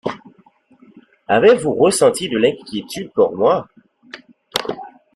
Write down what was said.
Avez-vous ressenti de l'inquiétude pour moi?